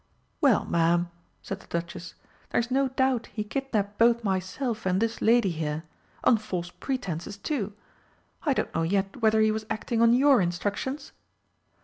"Well, Ma'am," said the Duchess, "there's no doubt he kidnapped both myself and this lady here. On false pretences, too! I don't know yet whether he was acting on your instructions?"